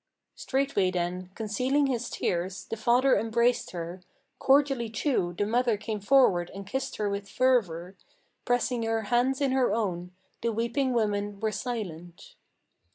Straightway then, concealing his tears, the father embraced her, Cordially, too, the mother came forward and kissed her with fervor, Pressing her hands in her own: the weeping women were silent.